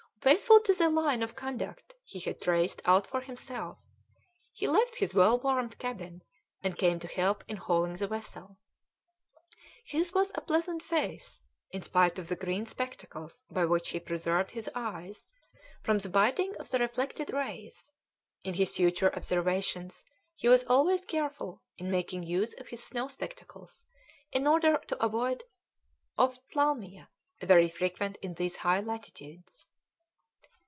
Faithful to the line of conduct he had traced out for himself, he left his well warmed cabin and came to help in hauling the vessel. His was a pleasant face, in spite of the green spectacles by which he preserved his eyes from the biting of the reflected rays; in his future observations he was always careful in making use of his snow spectacles, in order to avoid ophthalmia, very frequent in these high latitudes.